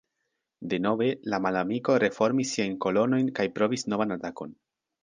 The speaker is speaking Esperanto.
Denove, la malamiko reformis siajn kolonojn kaj provis novan atakon.